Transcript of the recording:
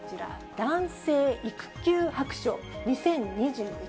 男性育休白書２０２１